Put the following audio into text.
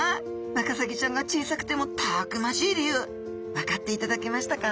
ワカサギちゃんが小さくてもたくましい理由分かっていただけましたか？